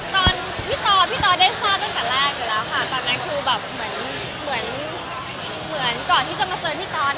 ตอนนั้นคือเหมือนก่อนที่จะมาเจอพี่ตอน